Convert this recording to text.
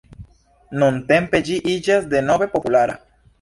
Nuntempe ĝi iĝas denove populara.